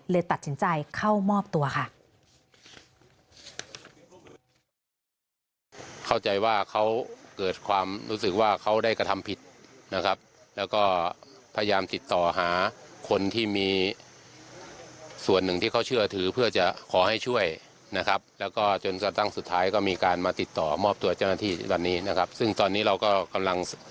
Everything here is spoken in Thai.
เลยตัดสินใจเข้ามอบตัวค่ะ